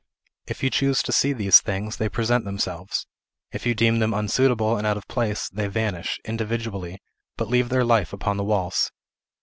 If you choose to see these things, they present themselves; if you deem them unsuitable and out of place, they vanish, individually, but leave their life upon the walls.